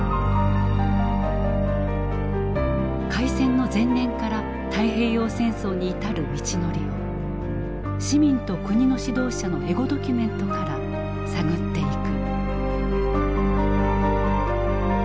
開戦の前年から太平洋戦争に至る道のりを市民と国の指導者のエゴドキュメントから探っていく。